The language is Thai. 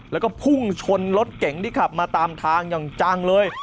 แล้วก็พุ่งชนรถเก๋งที่ขับมาตามทางอย่างจังเลย